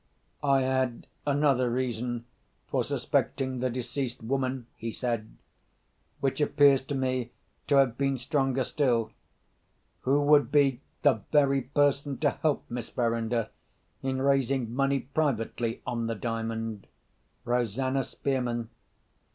"I had another reason for suspecting the deceased woman," he said, "which appears to me to have been stronger still. Who would be the very person to help Miss Verinder in raising money privately on the Diamond? Rosanna Spearman.